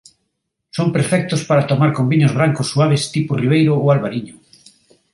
Son perfectos para tomar con viños brancos suaves tipo ribeiro ou albariño.